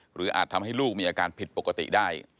อาจทำให้ลูกมีอาการผิดปกติได้